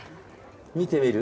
見てみる？